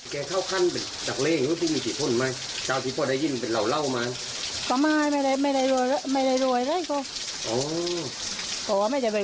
แกเข้าขั้นในจังหลังไหว่